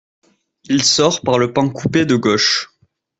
Il sort par le pan coupé de gauche.